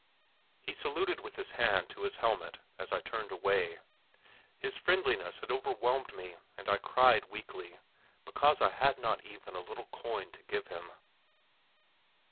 He saluted with his hand to his helmet as I turned away. His friendliness had overwhelmed me, and I cried weakly, because I had not even a little coin to give him.